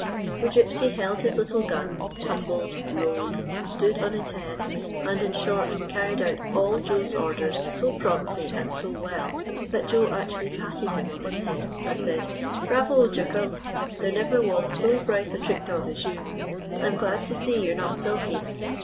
So Gypsy held his little gun, tumbled, rolled, stood on his head, and, in short, carried out all Joe's orders so promptly and so well that Joe actually patted him on the head and said : ''Bravo, Jucal! There never was so bright a trick dog as you ! I 'm glad to see you 're not sulky.